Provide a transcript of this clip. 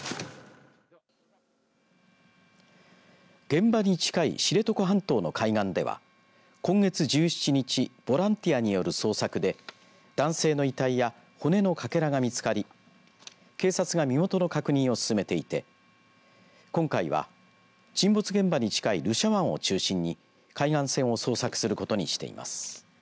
現場に近い知床半島の海岸では今月１７日ボランティアによる捜索で男性の遺体や骨のかけらが見つかり警察が身元の確認を進めていて今回は沈没現場に近いルシャ湾を中心に海岸線を捜索することにしています。